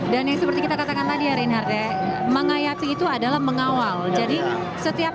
dan yang seperti kita katakan tadi ya reinhardt ya mengayapi itu adalah mengawal jadi setiap